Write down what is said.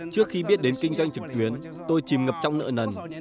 trước khi biết đến kinh doanh trực tuyến tôi chìm ngập trong nợ nần